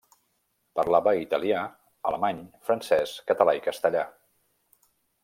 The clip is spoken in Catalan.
Parlava italià, alemany, francès, català i castellà.